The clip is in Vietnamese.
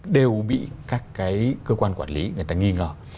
đều bị các cái cơ quan quản lý người ta nghi ngờ